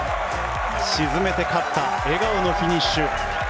沈めて勝った笑顔のフィニッシュ。